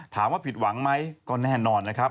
ถามว่าผิดหวังไหมก็แน่นอนนะครับ